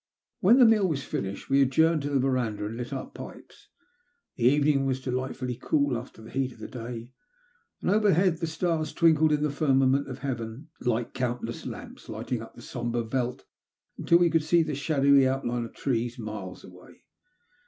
\\Tien the meal was finished we adjourned to the verandah and lit our pipes. The evening was delight fully cool after the heat of the day, and overhead the stars twinkled in the firmament of heaven like countless lamps, lighting up the sombre veldt till we could see the shadowy outline of trees miles away.